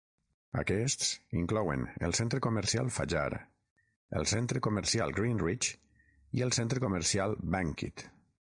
Aquests inclouen el centre comercial Fajar, el centre comercial Greenridge i el centre comercial Bangkit.